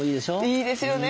いいですよね。